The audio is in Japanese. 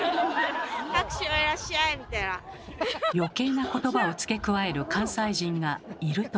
余計な言葉を付け加える関西人がいるとかいないとか。